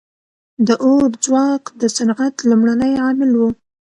• د اور ځواک د صنعت لومړنی عامل و.